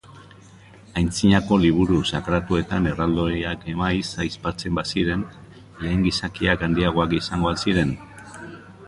Aintzinako liburu sakratuetan erraldoiak maiz aipatzen baziren, lehen gizakiak handiagoak izango al ziren?